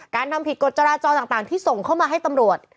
ทำผิดกฎจราจรต่างที่ส่งเข้ามาให้ตำรวจ